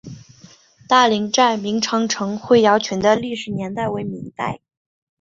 大岭寨明长城灰窑群的历史年代为明代。